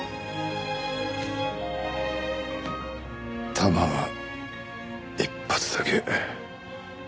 弾は１発だけ。